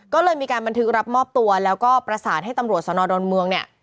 ก็เลยมีการบันทึกรับมอบตัวแล้วก็ประสานให้ตำรวจสนดอนเมืองเนี่ย